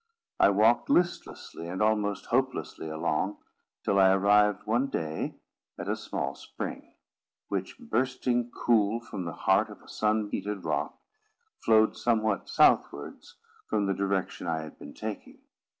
I walked listlessly and almost hopelessly along, till I arrived one day at a small spring; which, bursting cool from the heart of a sun heated rock, flowed somewhat southwards from the direction I had been taking.